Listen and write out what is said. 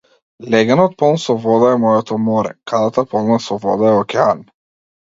Леѓенот полн со вода е моето море, кадата полна со вода е океан.